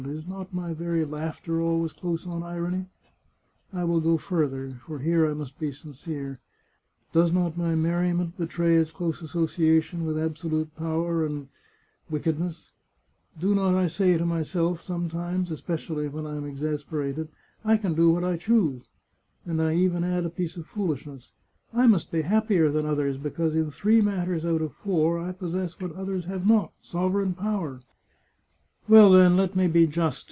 Is not my very laughter always close on irony? ... I will go further — for here I must be sincere — does not my merriment betray its close association with absolute power and ... wicked ness ? Do not I say to myself, sometimes — especially when I am exasperated —* I can do what I choose *? And I even add a piece of foolishness —* I must be happier than others, because in three matters out of four I possess what others have not, sovereign power. ... Well, then, let me be just.